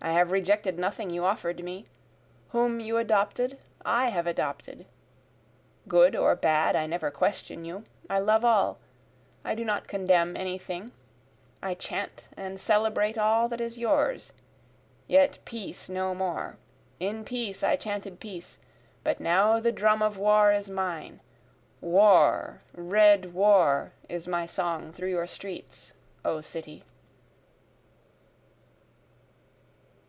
I have rejected nothing you offer'd me whom you adopted I have adopted, Good or bad I never question you I love all I do not condemn any thing, I chant and celebrate all that is yours yet peace no more, In peace I chanted peace, but now the drum of war is mine, War, red war is my song through your streets, O city!